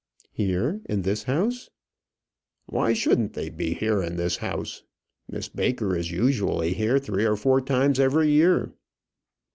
"Here in this house?" "Why shouldn't they be here in this house? Miss Baker is usually here three or four times every year."